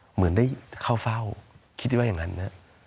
เหมือนได้เข้าเฝ้าคิดว่าอย่างนั้นนะ